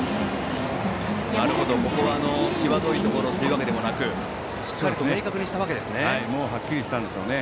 ここは際どいところというわけでもなくしっかりと明確にしたわけですね。